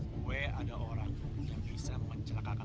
gue ada orang yang bisa mencelakakan